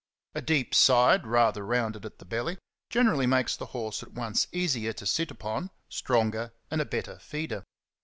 A deep side, rather rounded at the belly, generally makes the horse at once easier to sit upon, stronger, and a better feeder.